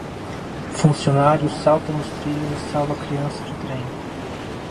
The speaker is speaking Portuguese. Funcionário salta nos trilhos e salva criança de trem